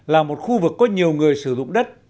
là một khu vực có nhiều người sử dụng đất